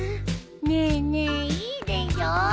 ねえねえいいでしょ？